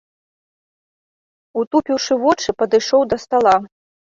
Утупіўшы вочы, падышоў да стала.